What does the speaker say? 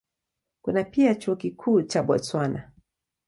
Kuna pia Chuo Kikuu cha Botswana.